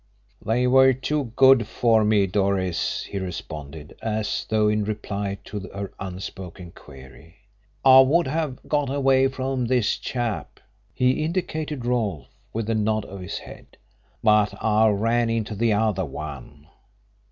"They were too good for me, Doris," he responded, as though in reply to her unspoken query. "I would have got away from this chap" he indicated Rolfe with a nod of his head "but I ran into the other one."